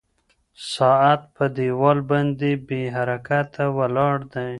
ساعت په دیوال باندې بې حرکته ولاړ دی.